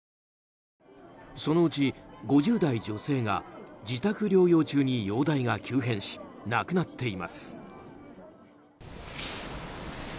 そのうち、５０代女性が自宅療養中に容体が急変し亡くなっています。